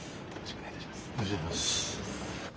お願いします。